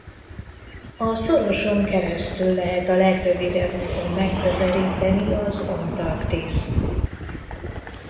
A szoroson keresztül lehet a legrövidebb úton megközelíteni az Antarktiszt.